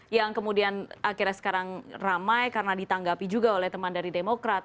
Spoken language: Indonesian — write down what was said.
yang kemudian akhirnya sekarang ramai karena ditanggapi juga oleh teman dari demokrat